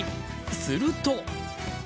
すると。